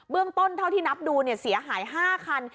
เรื่องต้นเท่าที่นับดูเสียหาย๕คัน